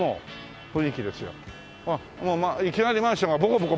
あっもういきなりマンションがボコボコ